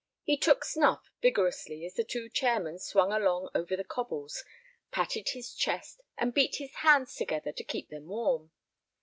He took snuff vigorously as the two chairmen swung along over the cobbles, patted his chest, and beat his hands together to keep them warm.